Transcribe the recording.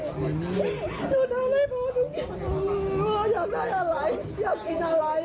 หนูทำได้พอทุกอย่างหนูอยากได้อะไรอยากกินอะไร